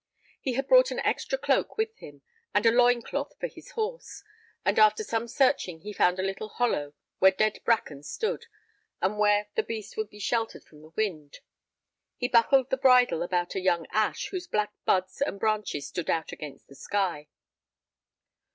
He had brought an extra cloak with him, and a loin cloth for his horse, and after some searching he found a little hollow where dead bracken stood, and where the beast would be sheltered from the wind. He buckled the bridle about a young ash whose black buds and branches stood out against the sky.